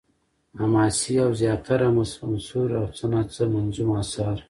حماسې او زياتره منثور او څه نا څه منظوم اثار